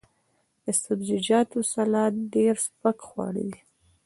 د سبزیجاتو سلاد ډیر سپک خواړه دي.